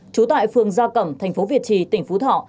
trú tại phường gia cẩm thành phố việt trì tỉnh phú thọ